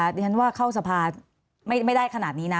ดิฉันว่าเข้าสภาไม่ได้ขนาดนี้นะ